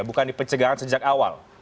bukan di pencegahan sejak awal